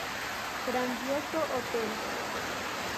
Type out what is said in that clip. Grandioso hotel.